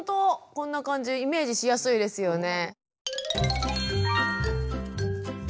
こんな感じイメージしやすいですよね。